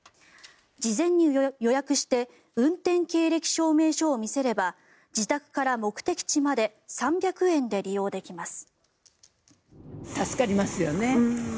事前に予約して運転経歴証明書を見せれば自宅から目的地まで３００円で利用できます。